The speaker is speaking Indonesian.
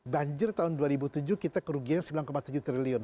banjir tahun dua ribu tujuh kita kerugian sembilan tujuh triliun